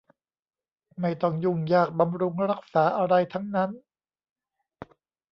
ไม่ต้องยุ่งยากบำรุงรักษาอะไรทั้งนั้น